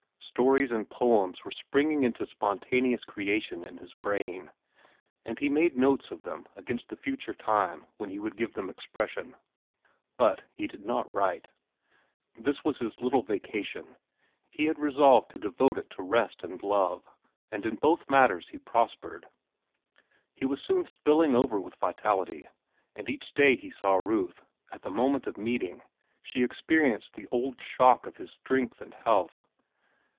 Stories and poems were springing into spontaneous creation in his brain, and he made notes of them against the future time when he would give them expression. But he did not write. This was his little vacation; he had resolved to devote it to rest and love, and in both matters he prospered. He was soon spilling over with vitality, and each day he saw Ruth, at the moment of meeting, she experienced the old shock of his strength and health.